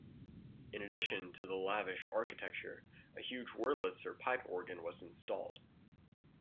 In addition to the lavish architecture, a huge Wurlitzer pipe organ was installed.